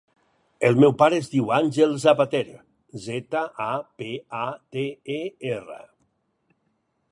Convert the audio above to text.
El meu pare es diu Àngel Zapater: zeta, a, pe, a, te, e, erra.